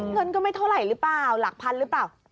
เงินก็ไม่เท่าไหร่หรือเปล่าหลักพันหรือเปล่า